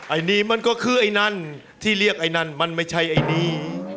อันนี้มันก็คือไอ้นั่นที่เรียกไอ้นั่นมันไม่ใช่ไอ้นี่